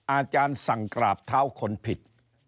อาจารย์สั่งกราบเท้าคนผิด